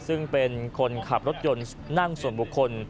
ซึ่งเป็นคนขับรถยนต์นั่งส่วนบุคคล